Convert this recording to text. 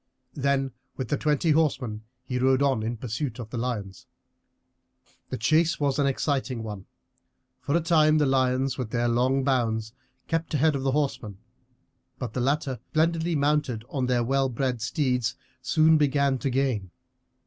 Then with the twenty horsemen he rode on in pursuit of the lions. The chase was an exciting one. For a time the lions, with their long bounds, kept ahead of the horsemen; but the latter, splendidly mounted on their well bred steeds, soon began to gain.